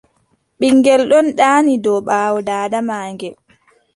Ɓiŋngel ɗon ɗaani dow ɓaawo daada maagel.